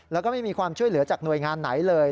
แล้วก็ไม่มีความช่วยเหลือจากหน่วยงานไหนเลย